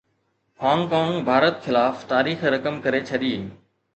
Hong Kong Bharat خلاف تاريخ رقم ڪري ڇڏي